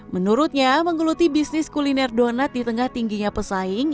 menurutnya menggeluti bisnis kuliner donat di tengah tingginya pesaing